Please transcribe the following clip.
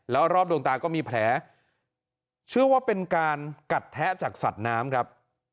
แล้วรอบดวงตาก็มีแผลเชื่อว่าเป็นการกัดแทะจากสัตว์น้ำครับ